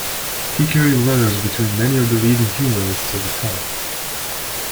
He carried letters between many of the leading humanists of the time.